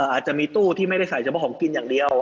อาจจะมีตู้ที่ไม่ได้ใส่เฉพาะของกินอย่างเดียว